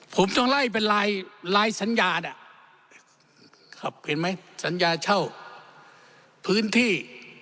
ผมต้องไล่เป็นลายลายสัญญาน่ะครับเห็นไหมสัญญาเช่าพื้นที่